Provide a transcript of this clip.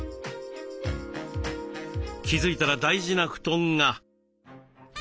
気付いたら大事な布団が。